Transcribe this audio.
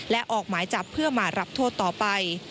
และออกหมายจับเพื่อมารับโทษต่อไป